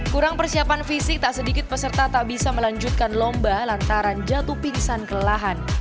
kurang persiapan fisik tak sedikit peserta tak bisa melanjutkan lomba lantaran jatuh pingsan ke lahan